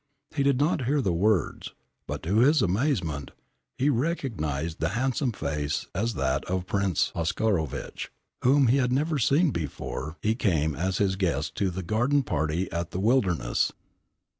He did not hear the words but, to his amazement, he recognised the handsome face as that of Prince Oscarovitch, whom he had never seen before he came as his guest to the garden party at "The Wilderness."